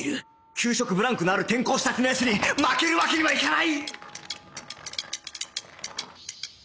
給食ブランクのある転校したての奴に負けるわけにはいかない！